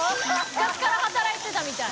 昔から働いてたみたい。